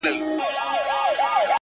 هره ورځ د ودې نوی فرصت زېږوي،